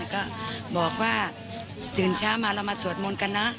ก็บอกว่าตื่นเช้ามาเรามาสวดมนต์กันนะ